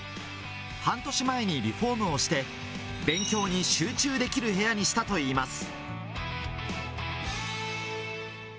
半年前にリフォームをして、勉強に集中できる部屋にしたといいます。